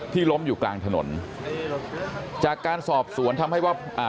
ล้มอยู่กลางถนนจากการสอบสวนทำให้ว่าอ่า